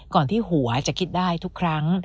ที่หัวจะคิดได้ทุกครั้ง